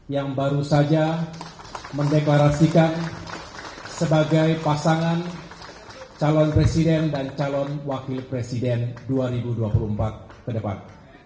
yang baru saja mendeklarasikan sebagai pasangan calon presiden dan calon wakil presiden dua ribu dua puluh empat ke depan